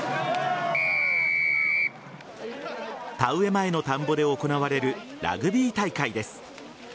田植え前の田んぼで行われるラグビー大会です。